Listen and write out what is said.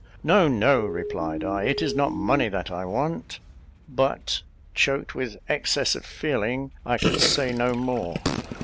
"No, no," replied I; "it is not money that I want:" but, choked with excess of feeling, I could say no more.